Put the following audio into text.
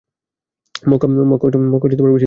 মক্কা বেশি দূরে ছিল না।